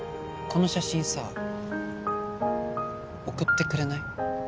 この写真さ送ってくれない？